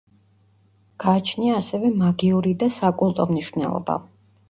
გააჩნია ასევე მაგიური და საკულტო მნიშვნელობა.